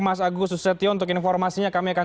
mas agus susetio untuk informasinya kami akan